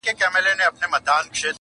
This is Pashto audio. سپي به سمدستي ځغستل د هغه لور ته؛